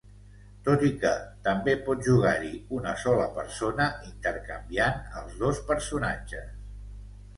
Tot i que també pot jugar-hi una sola persona intercanviant els dos personatges.